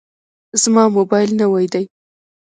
زما موبایل نوی دی.